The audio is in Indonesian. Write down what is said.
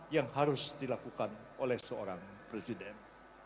yang harus dilakukan oleh seorang presiden